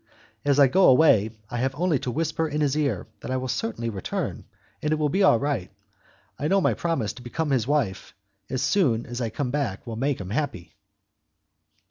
As I go away, I have only to whisper in his ear that I will certainly return, and it will be all right. I know my promise to become his wife as soon as I come back will make him happy."